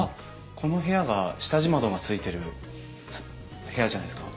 この部屋が下地窓がついてる部屋じゃないですか？